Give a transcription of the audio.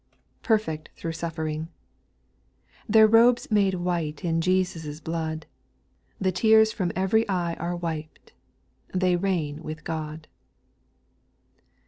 J 6. Perfect through suffering I Their robes made white In Jesus' blood, The tears from ev'ry eye are wiped, They reign with God.